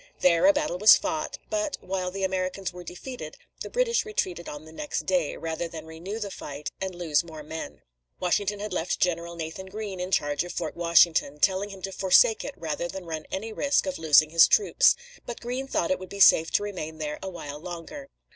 There a battle was fought; but, while the Americans were defeated, the British retreated on the next day, rather than renew the fight and lose more men. Washington had left General Nathanael Greene in charge of Fort Washington, telling him to forsake it rather than run any risk of losing his troops. But Greene thought it would be safe to remain there awhile longer.